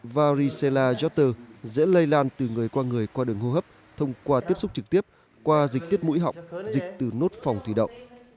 variselaoter dễ lây lan từ người qua người qua đường hô hấp thông qua tiếp xúc trực tiếp qua dịch tiết mũi họng dịch từ nốt phòng thủy đậu